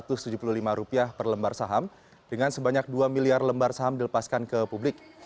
rp satu ratus tujuh puluh lima per lembar saham dengan sebanyak dua miliar lembar saham dilepaskan ke publik